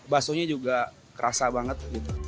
bakso nya juga kerasa banget